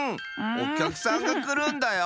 おきゃくさんがくるんだよ！